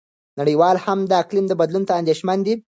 نړیوال هم د اقلیم بدلون ته اندېښمن دي.